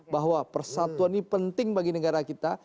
bahwa persatuan ini penting bagi negara kita